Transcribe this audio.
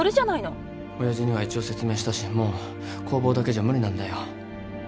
親父には一応説明したしもう工房だけじゃ無理なんだよ。